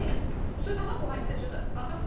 それ卵入ってたでしょ？だって。